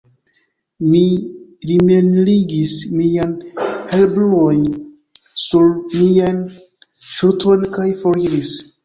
Mi rimenligis mian herbujon sur miajn ŝultrojn kaj foriris.